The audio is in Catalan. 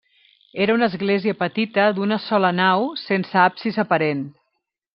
Era una església petita, d'una sola nau, sense absis aparent.